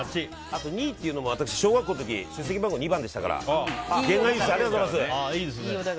あと２位っていうのも私、小学校の時出席番号２番だったので験がいいです。